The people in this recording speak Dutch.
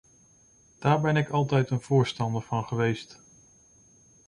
Daar ben ik altijd een voorstander van geweest.